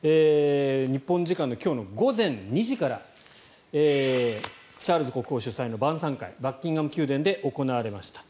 日本時間の今日の午前２時からチャールズ国王主催の晩さん会バッキンガム宮殿で行われました。